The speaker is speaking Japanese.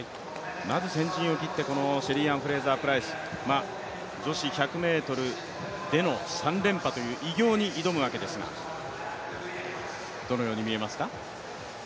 まず先陣を切ってこのシェリーアン・フレイザープライス、女子１００ｍでの３連覇という偉業に挑むわけですがどのように見えますか？